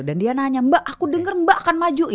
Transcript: dan dia nanya mba aku denger mba akan maju